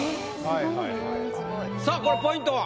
さあこれポイントは？